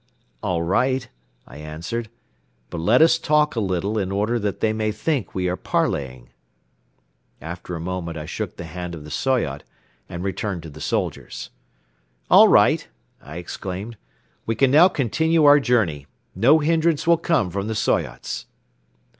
"All right," I answered, "but let us talk a little, in order that they may think we are parleying." After a moment I shook the hand of the Soyot and returned to the soldiers. "All right," I exclaimed, "we can continue our journey. No hindrance will come from the Soyots."